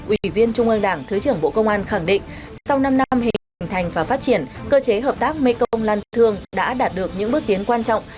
ủy viên trung ương đảng thứ trưởng bộ công an khẳng định sau năm năm hình thành và phát triển cơ chế hợp tác mê công lan thương đã đạt được những bước tiến quan trọng